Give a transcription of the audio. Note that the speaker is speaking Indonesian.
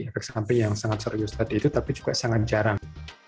efek samping yang sangat serius tadi itu tapi juga sangat jarang